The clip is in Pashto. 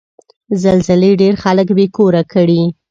زلزلې ډېر خلک بې کوره کړي.